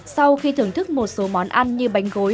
sau khi thưởng thức một số món ăn như bánh gối